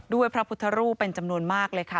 พระพุทธรูปเป็นจำนวนมากเลยค่ะ